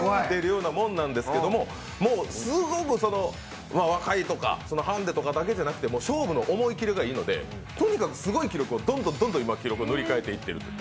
もうすごく、若いとかハンデとかだけじゃなくて勝負の思い切りがいいのでとにかくすごい記録を、どんどん記録を塗り替えていってる。